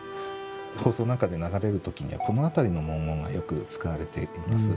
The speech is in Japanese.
放送なんかで流れる時にはこの辺りの文言がよく使われています。